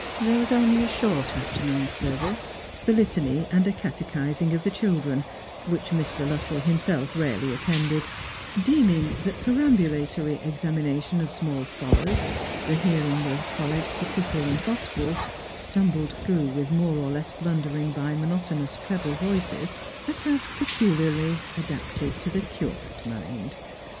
There was only a short afternoon ser\'ice ; the litany and a catechising of the children, which Mr. Luttrell himself rarely attended, deeming that perambulatory examina tion of small scholars, the hearing of collect, epistle, and gospel, stumbled through with more or less blundering by monotonous treble voices, a task peculiarly adapted to the curate mind.